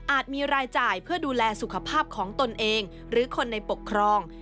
มีรายจ่ายเพื่อดูแลสุขภาพของตนเองหรือคนในปกครอง